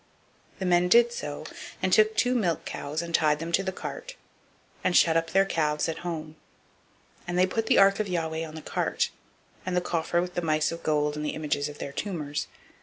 006:010 The men did so, and took two milk cows, and tied them to the cart, and shut up their calves at home; 006:011 and they put the ark of Yahweh on the cart, and the coffer with the mice of gold and the images of their tumors.